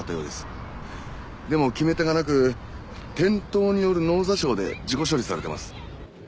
でも決め手がなく転倒による脳挫傷で事故処理されています。